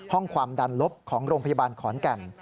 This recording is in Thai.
ความดันลบของโรงพยาบาลขอนแก่น